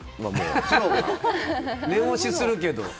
念押しするけど。